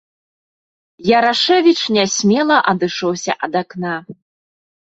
Ярашэвіч нясмела адышоўся ад акна.